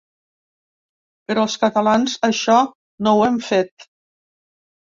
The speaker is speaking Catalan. Però els catalans això no ho hem fet.